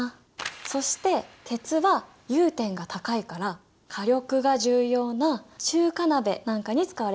そして鉄は融点が高いから火力が重要な中華鍋なんかに使われているんだ。